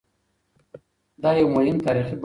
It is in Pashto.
دا یو مهم تاریخي بحث دی.